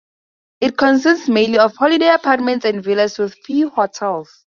It consists mainly of holiday apartments and villas, with few hotels.